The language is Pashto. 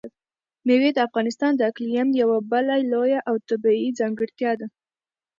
مېوې د افغانستان د اقلیم یوه بله لویه او طبیعي ځانګړتیا ده.